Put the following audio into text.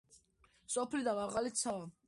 სოფლიდან მაღალია მოსახლეობის მიგრაცია.